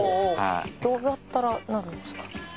どうやったらなるんですか？